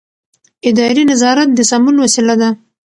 اداري نظارت د سمون وسیله ده.